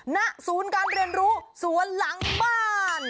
ณศูนย์การเรียนรู้สวนหลังบ้าน